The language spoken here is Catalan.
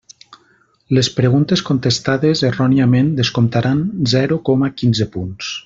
Les preguntes contestades erròniament descomptaran zero coma quinze punts.